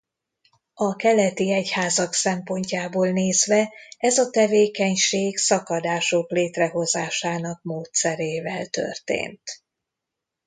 A keleti egyházak szempontjából nézve ez a tevékenység szakadások létrehozásának módszerével történt.